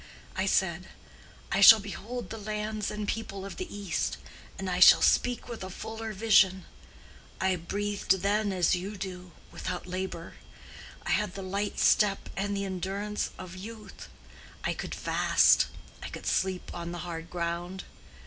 I said, I shall behold the lands and people of the East, and I shall speak with a fuller vision. I breathed then as you do, without labor; I had the light step and the endurance of youth, I could fast, I could sleep on the hard ground.